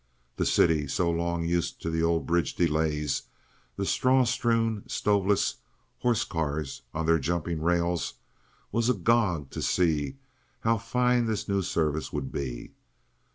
The city, so long used to the old bridge delays, the straw strewn, stoveless horse cars on their jumping rails, was agog to see how fine this new service would be.